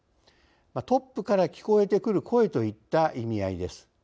トップから聞こえてくる声といった意味合いです。